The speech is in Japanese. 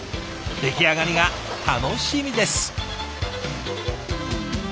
出来上がりが楽しみです。